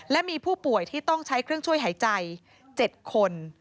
และมีผู้ป่วยที่ต้องใช้เครื่องช่วยหายใจ๗คน